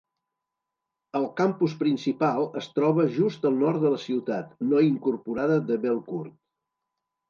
El campus principal es troba just al nord de la ciutat no incorporada de Belcourt.